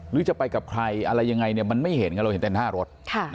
หรือจะไปกับใครอะไรยังไงเนี่ยมันไม่เห็นเราเห็นแต่หน้ารถ